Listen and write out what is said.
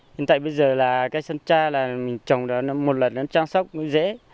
nhưng tại bây giờ là cây sơn tra là mình trồng nó một lần nó trang sốc nó dễ